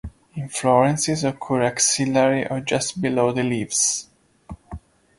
Inflorescences occur axillary or just below the leaves.